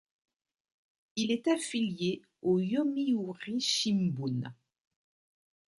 Il est affilié au Yomiuri Shimbun.